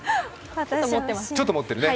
ちょっと盛ってるね。